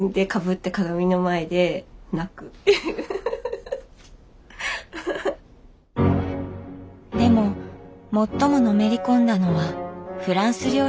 でも最ものめり込んだのはフランス料理でした。